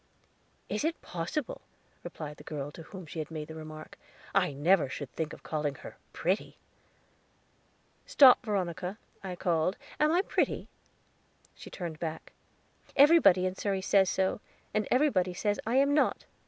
"Is it possible!" replied the girl to whom she had made the remark. "I never should think of calling her pretty." "Stop, Veronica," I called; "am I pretty?" She turned back. "Everybody in Surrey says so; and everybody says I am not."